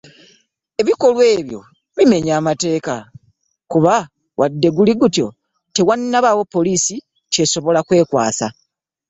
Ebikolwa ebyo bimenya mateeka, kuba wadde guli gutyo tewannabaawo poliisi ky’esobola kwekwaasa.